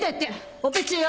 オペ中よ！